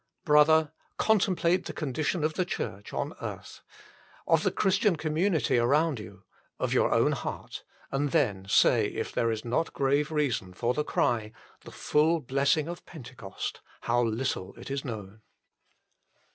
Brother, contemplate the condition of the 62 THE FULL BLESSING OF PENTECOST Church on earth, of the Christian community around you, of your own heart, and then say if there is not grave reason for the cry :" The full blessing of Pentecost : how little is it known."